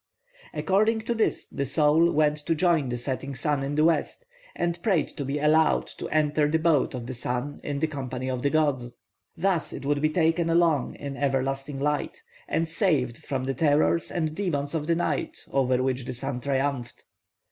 According to this the soul went to join the setting sun in the west, and prayed to be allowed to enter the boat of the sun in the company of the gods; thus it would be taken along in everlasting light, and saved from the terrors and demons of the night over which the sun triumphed.